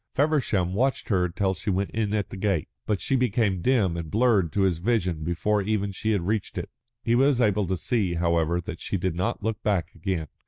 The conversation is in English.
Feversham watched her till she went in at the gate, but she became dim and blurred to his vision before even she had reached it. He was able to see, however, that she did not look back again.